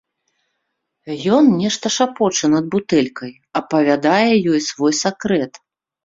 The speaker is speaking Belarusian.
Ён нешта шапоча над бутэлькай, апавядае ёй свой сакрэт.